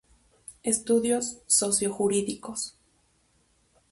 Estudios Socio Jurídicos.